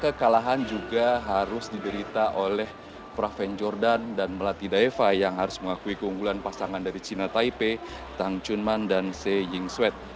kekalahan juga harus diderita oleh praven jordan dan melati daeva yang harus mengakui keunggulan pasangan dari china taipei tang chunman dan se ying swet